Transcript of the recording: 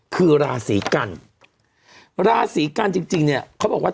คือราศีกันราศีกันจริงจริงเนี่ยเขาบอกว่า